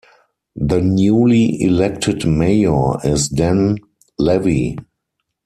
The newly elected mayor is Dan Levy.